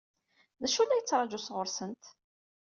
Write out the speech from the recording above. D acu i la yettṛaǧu sɣur-sent?